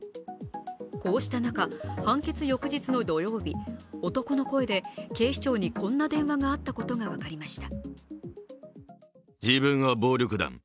こうした中、判決翌日の土曜日、男の声で警視庁にこんな電話があったことが分かりました。